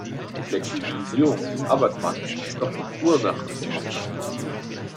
Die Flexibilisierung des Arbeitsmarkts ist doch die Ursache der Massenarmut.